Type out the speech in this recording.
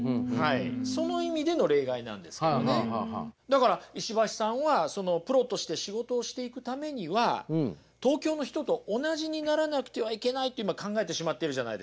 だから石橋さんはプロとして仕事をしていくためには東京の人と同じにならなくてはいけないって今考えてしまっているじゃないですか。